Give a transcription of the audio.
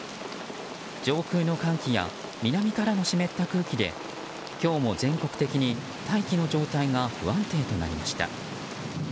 上空の寒気や南からの湿った空気で今日も全国的に大気の状態が不安定となりました。